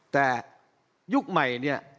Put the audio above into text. แต่ยุคใหม่เนี่ย